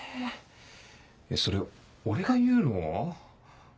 ⁉それ俺が言うの？